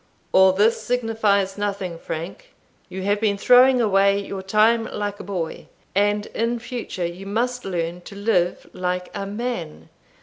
"All this signifies nothing, Frank; you have been throwing away your time like a boy, and in future you must learn to live like a man.